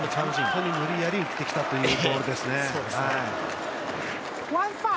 本当に無理やり振ってきたというボールですね。